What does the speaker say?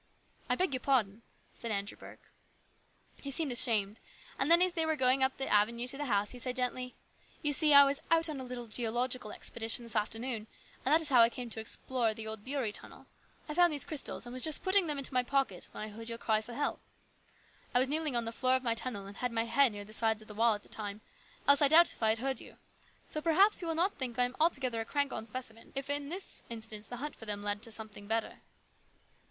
" I beg your pardon," replied Andrew Burke. He seemed ashamed, and then as they were going up the avenue to the house he said gently :" You see, I was out on a little geological expedition this afternoon, and that is how I came to explore the old Beury tunnel. I found these crystals, and was just putting 76 HIS BROTHER'S KEEPER. them into my pocket when I heard your cry for help. I was kneeling on the floor of the tunnel and had my head near the sides of the wall at the time, else I doubt if I had heard you. So perhaps you will not think I am altogether a crank on specimens if in this instance the hunt for them led to something better."